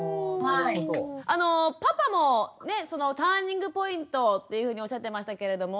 パパもターニングポイントっていうふうにおっしゃってましたけれども。